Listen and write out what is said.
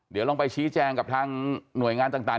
เดี๋ยวลองไปชี้แจงกับทางหน่วยงานต่าง